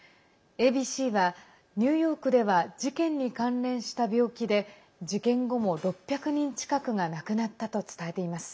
ＡＢＣは、ニューヨークでは事件に関連した病気で事件後も６００人近くが亡くなったと伝えています。